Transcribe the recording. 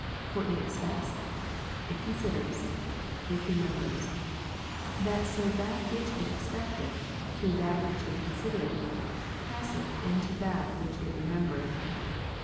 For it expects, it considers, it remembers ; that so that which it expectetli, through that which it considereth, passeth into that which it remem beretb